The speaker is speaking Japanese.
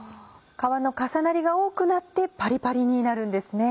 皮の重なりが多くなってパリパリになるんですね。